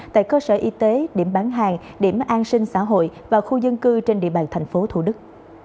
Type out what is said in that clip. tại cơ sở y tế điểm bán hàng điểm an sinh xã hội và khu dân cư trên địa bàn thành phố thủ đức